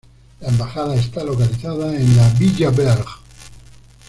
La embajada está localizada en la "Villa Berg".